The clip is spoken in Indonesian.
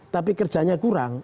tapi kerjanya kurang